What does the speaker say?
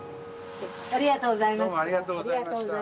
ありがとうございます。